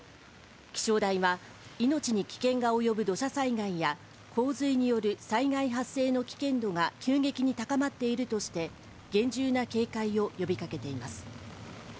気象台は、命に危険が及ぶ土砂災害や洪水による災害発生の危険度が急激に高まっているとして厳重な警戒を呼びかけています。